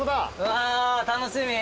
わ楽しみ。